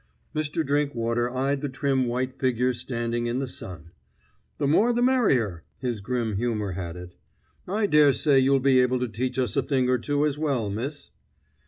Mr. Drinkwater eyed the trim white figure standing in the sun. "The more the merrier!" his grim humor had it. "I dare say you'll be able to teach us a thing or two as well, miss."